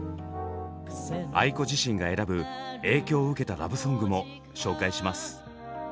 ａｉｋｏ自身が選ぶ影響を受けたラブソングも紹介します。